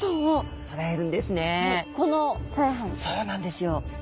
そうなんですよ。